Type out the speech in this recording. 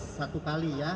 satu kali ya